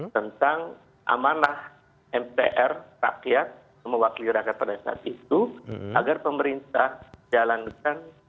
tentang amanah mpr rakyat mewakili rakyat pada saat itu agar pemerintah jalankan